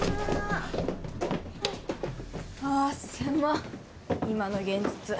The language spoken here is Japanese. あぁ狭っ今の現実。